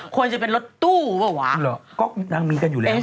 ควรจะเป็นรถตู้เปล่าวะเหรอก็นางมีกันอยู่แล้ว